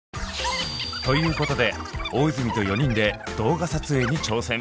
ということで大泉と４人で動画撮影に挑戦！